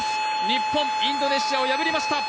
日本、インドネシアを破りました！